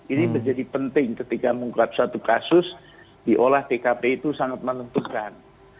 ini menjadi penting ketika menguat satu kasus diolah tkp itu sangat menentukan